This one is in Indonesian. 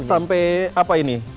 sampai apa ini